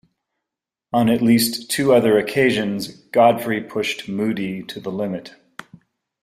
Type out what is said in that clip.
On at least two other occasions, Godfree pushed Moody to the limit.